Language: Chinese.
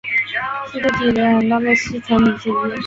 是最简单的烯醇醚之一。